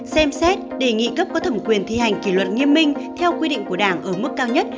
xem xét đề nghị cấp có thẩm quyền thi hành kỷ luật nghiêm minh theo quy định của đảng ở mức cao nhất